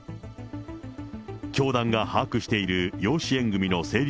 教団が把握している養子縁組の成立